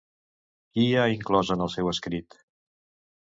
Qui ha inclòs en el seu escrit?